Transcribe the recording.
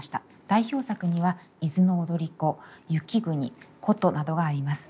代表作には「伊豆の踊子」「雪国」「古都」などがあります。